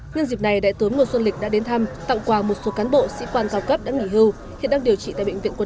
nhân dịp này đại tướng ngô xuân lịch đã đến thăm tặng quà một số cán bộ sĩ quan cao cấp đã nghỉ hưu khi đang điều trị tại bệnh viện quân y một trăm bảy mươi năm